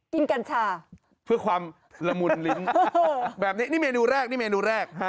กัญชาเพื่อความละมุนลิ้นแบบนี้นี่เมนูแรกนี่เมนูแรก